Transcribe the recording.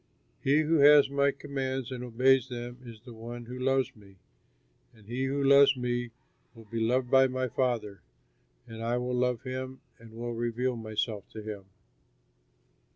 He who has my commands and obeys them is the one who loves me; and he who loves me will be loved by my Father, and I will love him and will reveal myself to him.